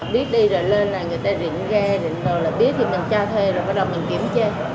biết đi rồi lên là người ta định ghe định rồi là biết thì mình cho thuê rồi bắt đầu mình kiểm tra